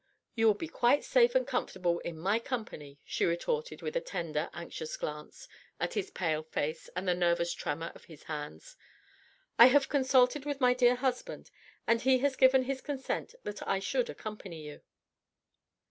"You will be quite safe and comfortable in my company," she retorted with a tender, anxious glance at his pale face and the nervous tremor of his hands. "I have consulted with my dear husband and he has given his consent that I should accompany you."